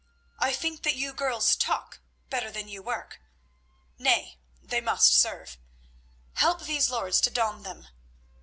"I think that you girls talk better than you work. Nay, they must serve. Help these lords to don them.